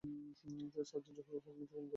Sergeant Zahurul Haq মৃত্যুবরণ করেন।